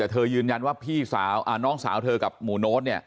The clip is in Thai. แต่เธอยืนยันว่าน้องสาวเธอกับหมู่โน้ต